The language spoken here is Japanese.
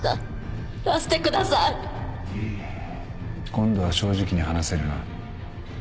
今度は正直に話せるな？